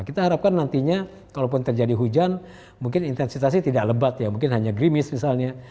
kita harapkan nantinya walaupun terjadi hujan mungkin intensitasi tidak lebat mungkin hanya grimis misalnya